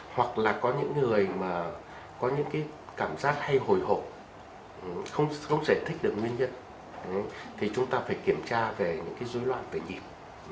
hoặc là có những người mà có những cái cảm giác hay hồi hổ không giải thích được nguyên nhân thì chúng ta phải kiểm tra về những cái dối loạn về nhịp